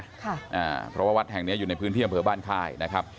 ค่ะอ่าเพราะว่าวัดแห่งเนี้ยอยู่ในพื้นที่อำเภอบ้านค่ายนะครับ